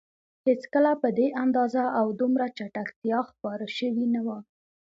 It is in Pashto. هېڅکله په دې اندازه او دومره چټکتیا خپاره شوي نه وو.